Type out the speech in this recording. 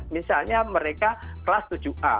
misalnya mereka kelas tujuh a